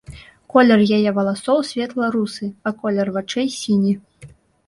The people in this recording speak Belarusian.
Колер яе валасоў светла-русы, а колер вачэй сіні.